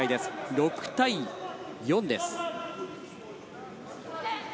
６対４です。